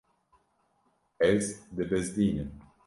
Ez dibizdînim.